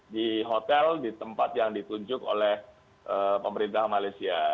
di hotel di tempat yang ditunjuk oleh pemerintah malaysia